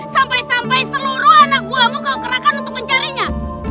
sampai sampai seluruh anak buahmu kerahkan untuk mencarinya